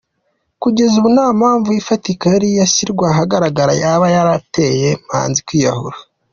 Kugeza ubu nta mpamvu ifatika yari yashyirwa ahagaragara yaba yarateye Manzi kwiyahura.